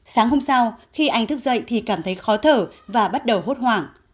sáng hôm sau khi anh thức dậy thì cảm thấy khó thở và bắt đầu hốt hoảng